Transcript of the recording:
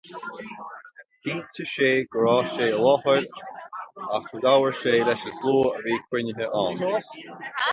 Chinntigh sé go raibh sé i láthair ach labhair sé leis an slua a bhí cruinnithe ann.